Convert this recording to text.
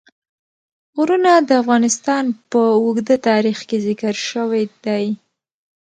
غرونه د افغانستان په اوږده تاریخ کې ذکر شوی دی.